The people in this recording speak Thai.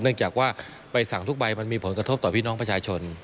จากว่าใบสั่งทุกใบมันมีผลกระทบต่อพี่น้องประชาชน